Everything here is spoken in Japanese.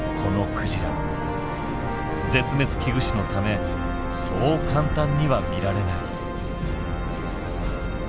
絶滅危惧種のためそう簡単には見られない。